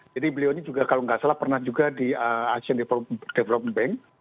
jadi beliau ini juga kalau nggak salah pernah juga di asian development bank